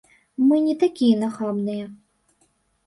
Мы не такія нахабныя.